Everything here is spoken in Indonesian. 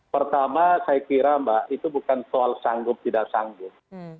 pertama saya kira mbak itu bukan soal sanggup tidak sanggup